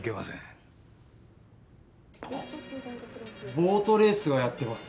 ボートレースがやってます。